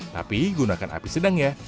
tapi gunakan api sedang ya